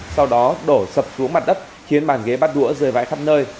sau đó đổ sập xuống mặt đất khiến bàn ghế bắt đũa rời vãi khắp nơi